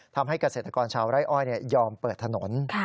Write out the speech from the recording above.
ทำให้เกษตรกรชาวไร่อ้อยยอมเปิดถนน